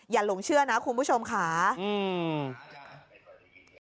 หลงเชื่อนะคุณผู้ชมค่ะอืม